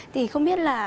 thì không biết là